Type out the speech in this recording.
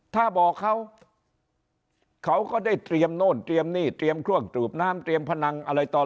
ถ้าบอกเขาเขาก็ได้เตรียมโน่นเตรียมหนี้เตรียมเครื่องสูบน้ำเตรียมพนังอะไรต่อ